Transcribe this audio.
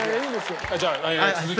じゃあ続きを。